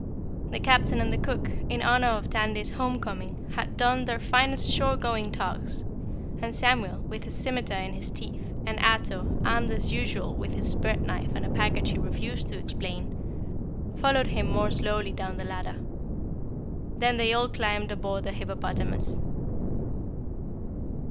The Captain and the cook, in honor of Tandy's homecoming, had donned their finest shore going togs, and Samuel, with a scimiter in his teeth, and Ato, armed as usual with his bread knife and a package he refused to explain, followed him more slowly down the ladder. Then they all climbed aboard the hippopotamus.